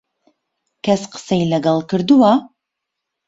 کەس قسەی لەگەڵ کردووە؟